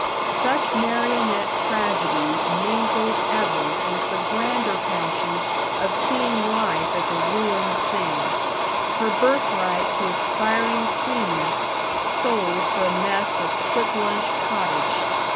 Such marionette tragedies mingled ever with the grander passion of seeing life as a ruined thing; her birthright to aspiring cleanness sold for a mess of quick lunch pottage.